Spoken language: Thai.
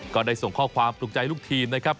ก็ได้ส่งข้อความปลูกใจลูกทีมนะครับ